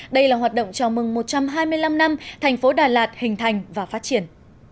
đây là hoạt động chào mừng một trăm hai mươi năm năm thành phố đà lạt hình thành và phát triển